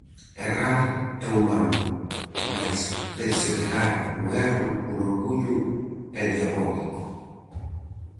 Errar é humano, mais perseverar no erro por orgullo é diabólico.